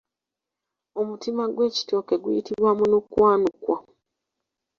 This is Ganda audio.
Omutima gw'ekitooke guyitibwa munukwanukwa.